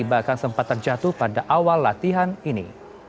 bahkan sempat terjatuh pada awal latihan ini